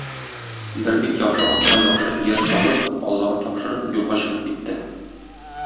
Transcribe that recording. Бер бик яхшы атка яхшы ияр салып, аллага тапшырып, юлга чыгып китте.